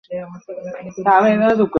ভারতে কিন্তু উপাসকদের যথেষ্ট কাণ্ডজ্ঞান ছিল।